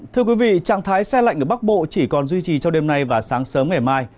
thưa quý vị trạng thái xe lạnh ở bắc bộ chỉ còn duy trì trong đêm nay và sáng sớm ngày mai